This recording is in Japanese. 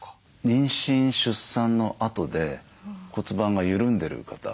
妊娠出産のあとで骨盤が緩んでる方。